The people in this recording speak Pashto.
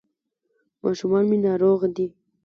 ماشومان مي ناروغه دي ..